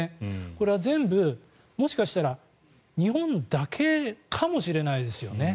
これは全部、もしかしたら日本だけかもしれないですよね。